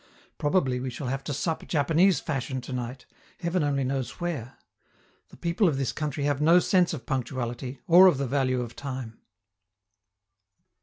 Probably we shall have to sup Japanese fashion tonight, heaven only knows where. The people of this country have no sense of punctuality, or of the value of time.